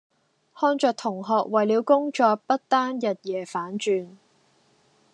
看著同學為了工作不單日夜反轉